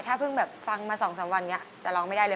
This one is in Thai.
ถ้าฟังมา๒๓วันจะร้องไม่ได้เลย